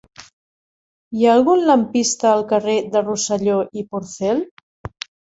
Hi ha algun lampista al carrer de Rosselló i Porcel?